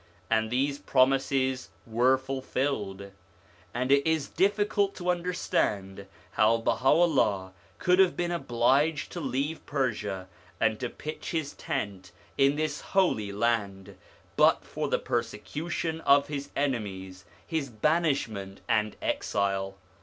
All these promises were fulfilled; and it is difficult to understand how Baha'u'llah could have been obliged to leave Persia, and to pitch his tent in this Holy Land, but for the persecution of his enemies, his banishment, and exile.